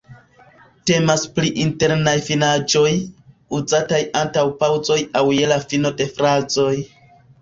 Temas pri „internaj finaĵoj“, uzataj antaŭ paŭzoj aŭ je la fino de frazoj.